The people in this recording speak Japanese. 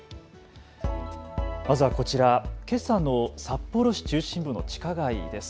まずはこちら、けさの札幌市中心部の地下街です。